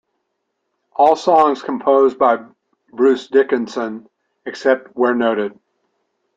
All songs composed by Bruce Dickinson, except where noted.